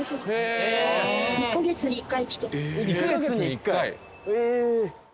１カ月に１回？